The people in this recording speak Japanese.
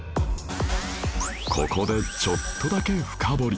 ここでちょっとだけ深掘り